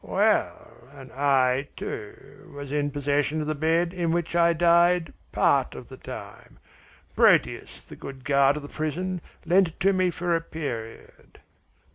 "Well, and I, too, was in possession of the bed in which I died part of the time. Proteus, the good guard of the prison, lent it to me for a period."